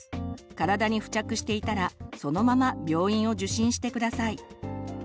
体に付着していたらそのまま病院を受診して下さい。